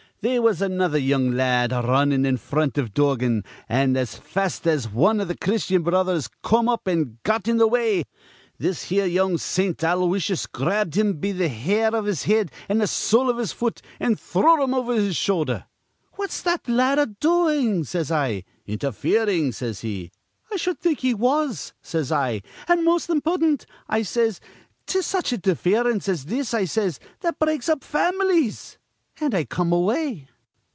They was another young la ad r runnin' in fr ront iv Dorgan; an', as fast as wan iv th' Christyan Brothers come up an' got in th' way, this here young Saint Aloysius grabbed him be th' hair iv th' head an' th' sole iv th' fut, an' thrun him over his shoulder. 'What's that la ad doin'?' says I. 'Interfering' says he. 'I shud think he was,' says I, 'an' most impudent,' I says. ''Tis such interference as this,' I says, 'that breaks up fam'lies'; an' I come away.